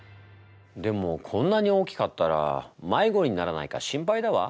でもこんなに大きかったらまいごにならないか心配だわ。